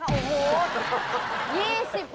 โอ้โห